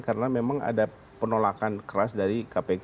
karena memang ada penolakan keras dari kpk